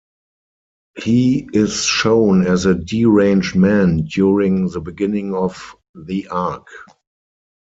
He is shown as a deranged man during the beginning of the arc.